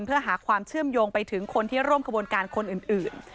เพื่อหาความเชื่อมโยงไปถึงคนที่ร่วมขบวนการคนอื่น